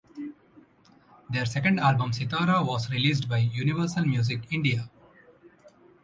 Their second album Sitara was released by Universal Music India.